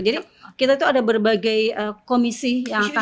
jadi kita itu ada berbagai komisi yang akan